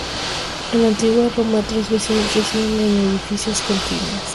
En la antigua Roma, tres vecinos residen en edificios contiguos.